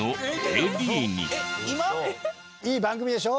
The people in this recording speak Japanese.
いい番組でしょ？